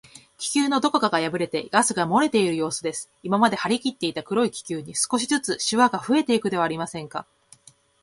気球のどこかがやぶれて、ガスがもれているようすです。今まではりきっていた黒い気球に、少しずつしわがふえていくではありませんか。